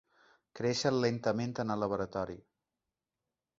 Creixen lentament en el laboratori.